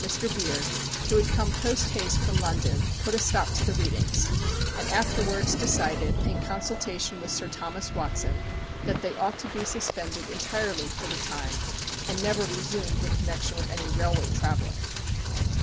At Preston, on the 22nd of April, Mr. Beard, who had come post haste from London, put a stop to the readings, and afterwards decided, in consultation with Sir Thomas Watson, that they ought to be suspended entirely for the time, and never resumed in connection with any railway travelling.